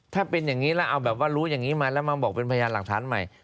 ถ้าเป็นอย่างนี้แล้วเอาแบบว่ารู้อย่างนี้มาแล้วมาบอกเป็นพยานหลักฐานใหม่